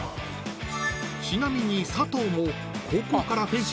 ［ちなみに佐藤も］